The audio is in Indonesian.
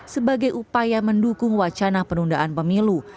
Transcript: sebagai upaya mendukung wacana penundaan pemilu